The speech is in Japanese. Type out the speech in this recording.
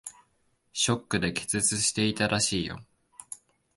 ショックで気絶していたらしいよ。